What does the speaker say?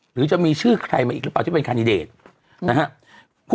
หรือจะมีชื่อใครมาอีกหรือเปล่าที่เป็นคันดิเดตนะครับ